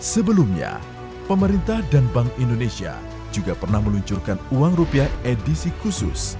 sebelumnya pemerintah dan bank indonesia juga pernah meluncurkan uang rupiah edisi khusus